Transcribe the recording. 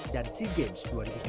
dan sea games dua ribu sembilan belas